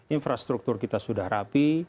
infrastruktur kita sudah rapi